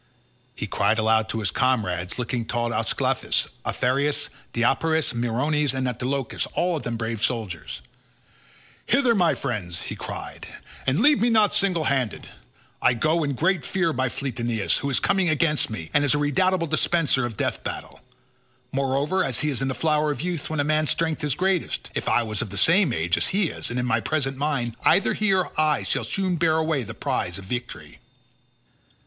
He cried aloud to his comrades looking towards Ascalaphus, Aphareus, Deipyrus, Meriones, and Antilochus, all of them brave soldiers—"Hither my friends," he cried, "and leave me not single handed—I go in great fear by fleet Aeneas, who is coming against me, and is a redoubtable dispenser of death battle. Moreover he is in the flower of youth when a man's strength is greatest; if I was of the same age as he is and in my present mind, either he or I should soon bear away the prize of victory."